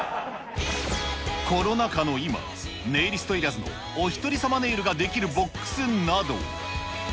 コロナ禍の今、ネイリストいらずのおひとり様ネイルができるボックスなど。